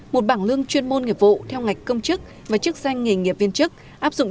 một bảng lương chuyên môn nghiệp vụ theo ngạch công chức và chức danh nghề nghiệp viên chức áp dụng